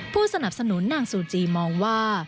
ผู้สนับสนุนนางซูจีมองว่า